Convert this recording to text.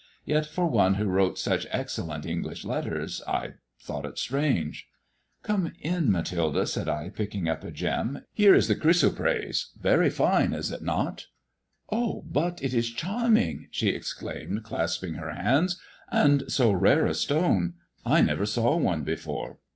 Yet for one who wrote such excellent English letters, I thought it strange. *' Come in, Mathilde," said I, picking up a gem. Here is the chrysoprase. Yery fine, is it not ?" "Oh, but it is charming," she exclaimed, clasping her hands ;'* and so rare a stone. I never saw one before."